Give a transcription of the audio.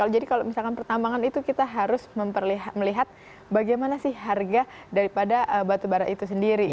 jadi kalau misalkan pertambangan itu kita harus melihat bagaimana sih harga daripada batubara itu sendiri